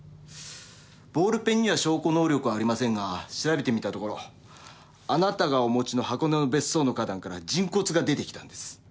ボールペンには証拠能力はありませんが調べてみたところあなたがお持ちの箱根の別荘の花壇から人骨が出てきたんです。